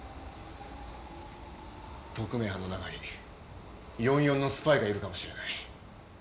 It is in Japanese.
特命班の中に４４のスパイがいるかもしれない。